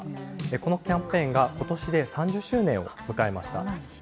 このキャンペーンがことしで３０周年を迎えました。